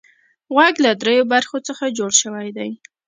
غوږ له دریو برخو څخه جوړ شوی دی.